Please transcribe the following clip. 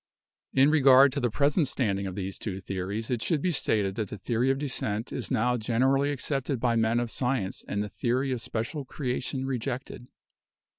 In regard to the present standing of these two theories it should be stated that the theory of descent is now generally accepted by men of science and the theory of special creation rejected.